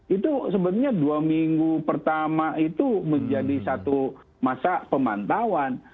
itu sebenarnya dua minggu pertama itu menjadi satu masa pemantauan